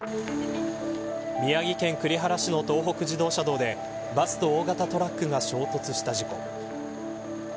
宮城県、栗原市の東北自動車道でバスと大型トラックが衝突した事故。